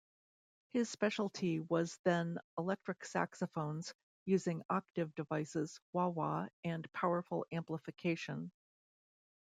His specialty was then electric saxophones, using octave devices, wah-wah and powerful amplification.